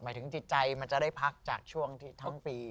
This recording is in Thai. หมายถึงจิตใจมันจะได้พักจากช่วงที่ทั้งปี